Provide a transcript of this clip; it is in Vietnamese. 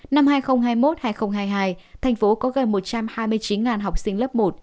năm hai nghìn hai mươi một hai nghìn hai mươi hai thành phố có gần một trăm hai mươi chín học sinh lớp một